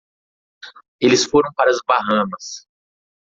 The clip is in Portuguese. Eles foram para as Bahamas.